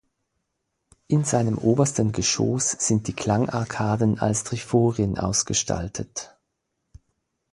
In seinem obersten Geschoss sind die Klangarkaden als Triforien ausgestaltet.